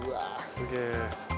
すげえ。